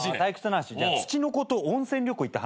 じゃあツチノコと温泉旅行行った話。